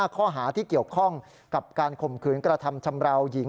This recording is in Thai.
ข้อหาที่เกี่ยวข้องกับการข่มขืนกระทำชำราวหญิง